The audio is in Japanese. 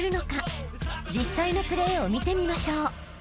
［実際のプレーを見てみましょう］